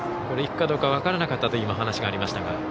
いくかどうか分からなかったという話がありましたが。